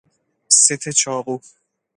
ست چاقو